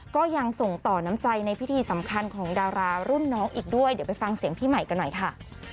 ก็ยังส่งต่อน้ำใจในพิธีสำคัญของดารารุ่นน้องอีกด้วยเดี๋ยวไปฟังเสียงพี่ใหม่กันหน่อยค่ะ